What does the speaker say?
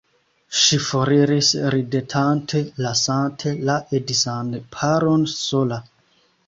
Ŝi foriris ridetante, lasante la edzan paron sola.